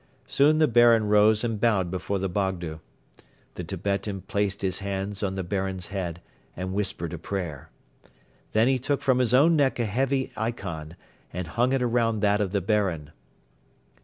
Soon the Baron rose and bowed before the Bogdo. The Tibetan placed his hands on the Baron's head and whispered a prayer. Then he took from his own neck a heavy ikon and hung it around that of the Baron.